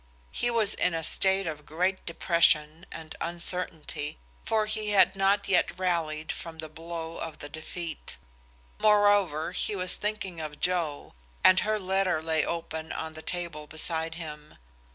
He was in a state of great depression and uncertainty, for he had not yet rallied from the blow of the defeat. Moreover he was thinking of Joe, and her letter lay open on the table beside him.